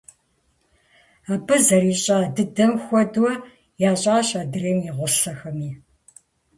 Абы зэрищӀа дыдэм хуэдэу ящӀащ адрей и гъусэхэми.